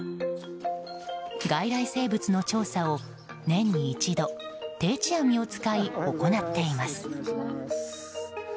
外来生物の調査を、年に一度定置網を使い、行っています。